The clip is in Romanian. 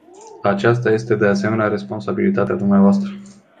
Aceasta este, de asemenea, responsabilitatea dvs.